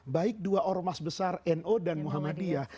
baik dua ormas besar no dan muhammadiyah